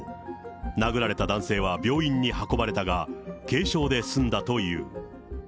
殴られた男性は病院に運ばれたが、軽傷で済んだという。